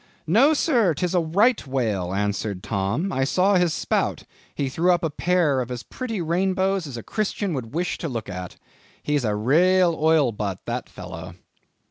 "No, Sir, 'tis a Right Whale," answered Tom; "I saw his sprout; he threw up a pair of as pretty rainbows as a Christian would wish to look at. He's a raal oil butt, that fellow!"